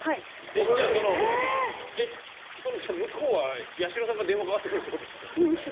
じゃあ向こうは八代さんから電話がかかってくるってことですか？